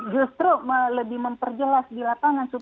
justru lebih memperjelas di lapangan